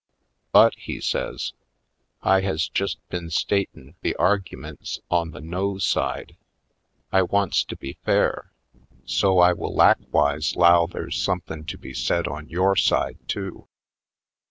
"But," he says, "I has jest been statin' the argumints on the No side. I wants to be fair, so I will lakwis€ 'low there's somethin' to be said on yore side, too.